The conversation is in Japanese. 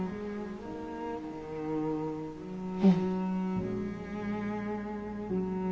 うん。